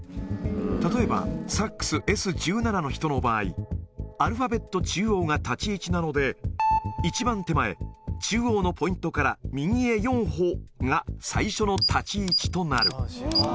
例えば、サックスＳ１７の人の場合、アルファベット中央が立ち位置なので、一番手前、中央のポイントから右へ４歩が最初の立ち位置となる。